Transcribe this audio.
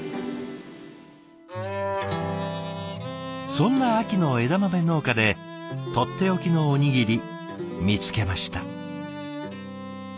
そんな秋の枝豆農家でとっておきのおにぎり見つけました。